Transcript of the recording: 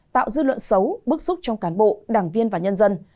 tạo dư luận xấu bức xúc trong cán bộ đảng viên và nhân dân